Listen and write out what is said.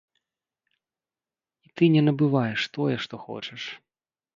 І ты не набываеш тое, што хочаш.